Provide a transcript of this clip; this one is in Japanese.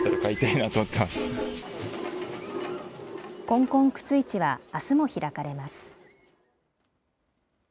こんこん靴市は、あすも開かれます。